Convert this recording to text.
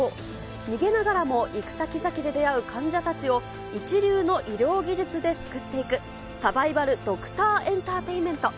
逃げながらも、行く先々で出会う患者たちを一流の医療技術で救っていく、サバイバル・ドクター・エンターテインメント。